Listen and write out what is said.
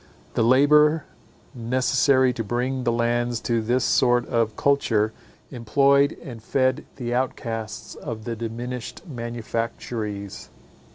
The labour necessary to bring the lands to this sort of culture, employed and fed the offcasts of the diminished manufactories.